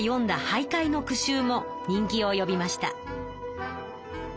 俳諧の句集も人気をよびました。